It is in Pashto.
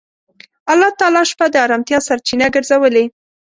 الله تعالی شپه د آرامتیا سرچینه ګرځولې.